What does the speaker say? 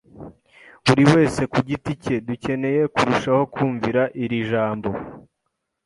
Buri wese ku giti cye, dukeneye kurushaho kumvira iri jambo;